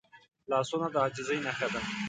لاسونه د عاجزۍ نښه ده